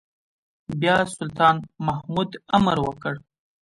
بيا سلطان محمود امر وکړ.